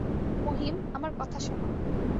মহিম, আমার কথা শোনো।